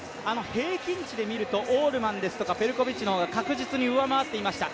平均値で見るとオールマンですとかペルコビッチの方が確実に上回っていました。